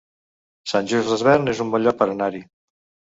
Sant Just Desvern es un bon lloc per anar-hi